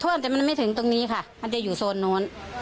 ว่าแต่มันไม่ถึงตรงนี้ค่ะมันจะอยู่โซนนู้น